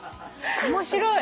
面白い。